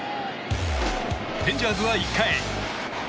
レンジャーズは１回。